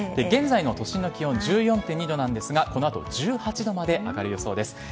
現在の都心の気温１４．２度なんですがこの後１８度まで上がる予想です。